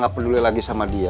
gak peduli lagi sama dia